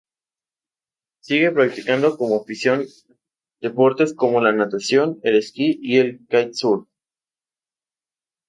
Sigue practicando como afición deportes como la natación, el esquí o el "kitesurf".